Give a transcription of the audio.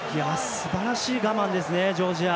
すばらしい我慢ですねジョージア。